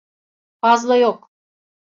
Fazla yok.